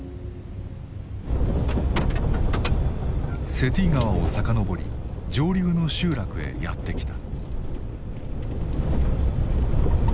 セティ川を遡り上流の集落へやって来た。